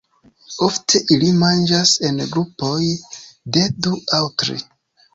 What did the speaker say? Ofte ili manĝas en grupoj de du aŭ tri.